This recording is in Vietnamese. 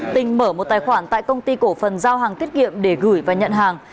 tình mở một tài khoản tại công ty cổ phần giao hàng tiết kiệm để gửi và nhận hàng